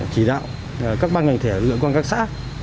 chỉ đạo các ban ngành thể lực lượng quan các xã